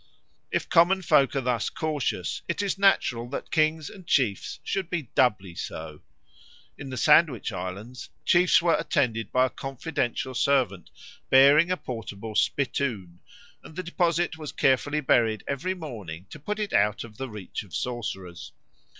If common folk are thus cautious, it is natural that kings and chiefs should be doubly so. In the Sandwich Islands chiefs were attended by a confidential servant bearing a portable spittoon, and the deposit was carefully buried every morning to put it out of the reach of sorcerers.